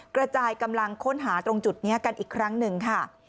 กระจายกำลังค้นหาตรงจุดนี้กันอีกครั้งหนึ่งค่ะ